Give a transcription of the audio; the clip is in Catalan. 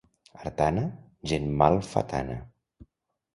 Artana, gent malfatana.